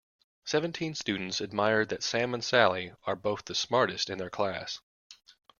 Seventeen students admired that Sam and Sally are both the smartest in their class.